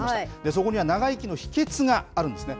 そこには長生きの秘けつがあるんですね。